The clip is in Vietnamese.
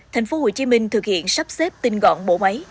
thành phố hồ chí minh thực hiện sắp xếp tinh gọn bộ máy